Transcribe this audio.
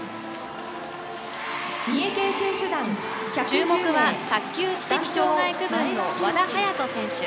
注目は卓球・知的障害区分の和田颯斗選手。